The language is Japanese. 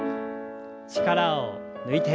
力を抜いて。